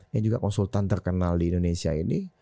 yang juga konsultan terkenal di indonesia ini